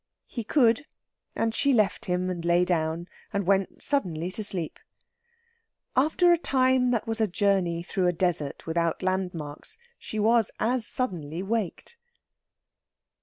He could, and she left him and lay down, and went suddenly to sleep. After a time that was a journey through a desert, without landmarks, she was as suddenly waked.